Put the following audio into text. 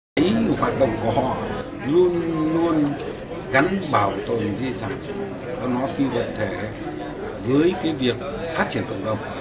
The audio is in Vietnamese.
thấy một hoạt động của họ luôn luôn gắn bảo tồn di sản văn hóa phi vật thể với cái việc phát triển cộng đồng